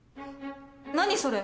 何それ？